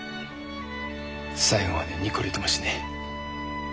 最後までニコリともしねえ。